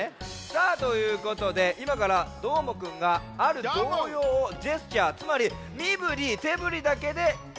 さあということでいまからどーもくんがある童謡をジェスチャーつまりみぶりてぶりだけでひょうげんします。